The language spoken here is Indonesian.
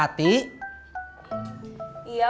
nah lihat nih pilihan kamu